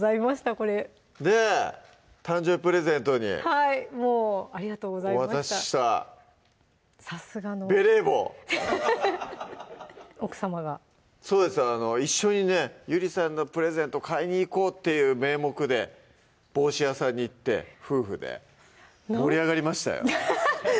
これねっ誕生日プレゼントにはいありがとうございましたお渡ししたベレー帽奥さまがそうです一緒にねゆりさんのプレゼント買いに行こうっていう名目で帽子屋さんに行って夫婦で盛り上がりましたよ